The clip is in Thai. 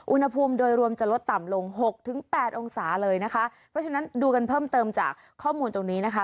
อุณหภูมิโดยรวมจะลดต่ำลงหกถึงแปดองศาเลยนะคะเพราะฉะนั้นดูกันเพิ่มเติมจากข้อมูลตรงนี้นะคะ